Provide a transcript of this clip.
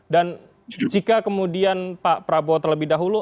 dan jika kemudian pak prabowo terlebih dahulu